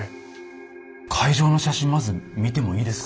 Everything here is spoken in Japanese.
会場の写真まず見てもいいですか？